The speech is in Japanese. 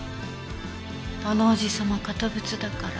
あのおじ様堅物だから。